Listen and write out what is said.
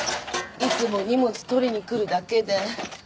いつも荷物取りに来るだけで。